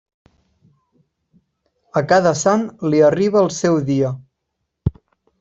A cada sant li arriba el seu dia.